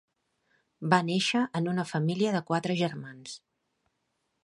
Va néixer en una família de quatre germans.